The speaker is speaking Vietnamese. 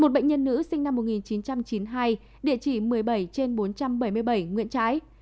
một bệnh nhân nữ sinh năm một nghìn chín trăm chín mươi hai địa chỉ một mươi bảy trên bốn trăm bảy mươi bảy nguyễn trái